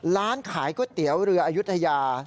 ร้านขายก๋วยเตี๋ยวเรืออายุทยา